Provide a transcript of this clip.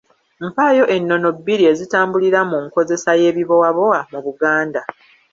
Mpaayo ennono bbiri ezitambulira ku nkozesa y’ebibowabowa mu Buganda.